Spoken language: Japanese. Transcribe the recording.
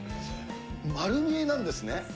丸見えなんですね。